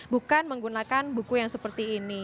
bukan menggunakan buku yang seperti ini